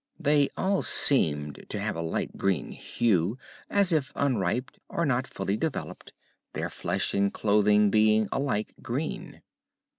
They all seemed to have a light green hue, as if unripe or not fully developed, their flesh and clothing being alike green.